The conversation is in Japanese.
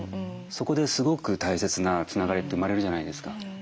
そこですごく大切なつながりって生まれるじゃないですか。